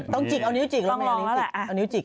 ต้องจิกเอานิ้วจิก